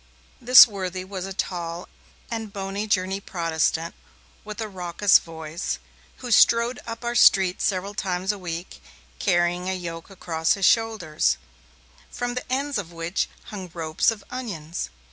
This worthy was a tall and bony Jersey Protestant with a raucous voice, who strode up our street several times a week, carrying a yoke across his shoulders, from the ends of which hung ropes of onions.